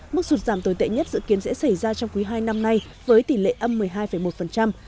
mức sụt giảm tồi tệ nhất dự kiến sẽ xảy ra trong quý hai năm nay với tỷ lệ âm một mươi hai một